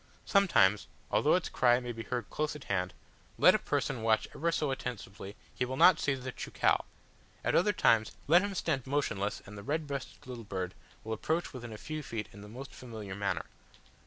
Sometimes, although its cry may be heard close at hand, let a person watch ever so attentively he will not see the cheucau; at other times, let him stand motionless and the red breasted little bird will approach within a few feet in the most familiar manner.